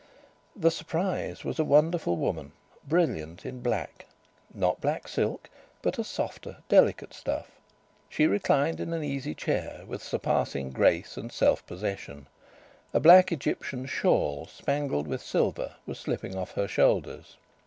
The surprise was a wonderful woman, brilliant in black not black silk, but a softer, delicate stuff. She reclined in an easy chair with surpassing grace and self possession. A black Egyptian shawl, spangled with silver, was slipping off her shoulders.